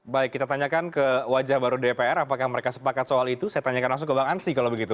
baik kita tanyakan ke wajah baru dpr apakah mereka sepakat soal itu saya tanyakan langsung ke bang ansi kalau begitu